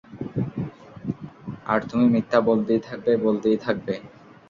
আর তুমি মিথ্যা বলতেই থাকবে, বলতেই থাকবে।